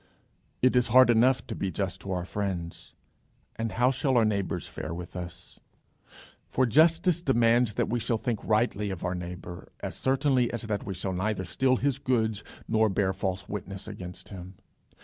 It is hard enough to be just to our friends; and how shall our enemies fare with us? For justice demands that we shall think rightly of our neighbour as certainly as that we shall neither steal his goods nor bear false witness against him.